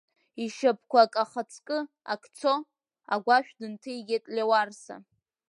Ишьапқәа ак ахаҵкы ак цо, агәашә дынҭигеит Леуарса.